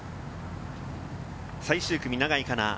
最終組、永井花奈。